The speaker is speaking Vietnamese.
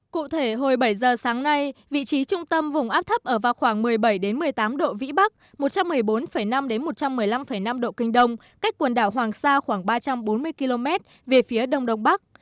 cụ thể hồi bảy giờ sáng nay vị trí trung tâm vùng áp thấp ở vào khoảng một mươi bảy một mươi tám độ vĩ bắc một trăm một mươi bốn năm một trăm một mươi năm năm độ kinh đông cách quần đảo hoàng sa khoảng ba trăm bốn mươi km về phía đông đông bắc